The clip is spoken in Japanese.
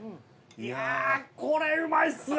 いやぁこれうまいっす！